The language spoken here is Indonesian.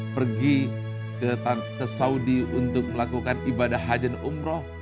pergi ke saudi untuk melakukan ibadah hajan umroh